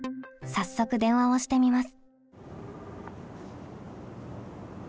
早速電話をしてみます。